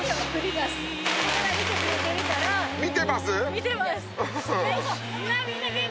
見てます！